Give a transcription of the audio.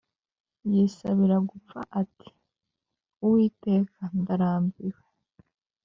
yisabira gupfa ati “Uwiteka, ndarambiwe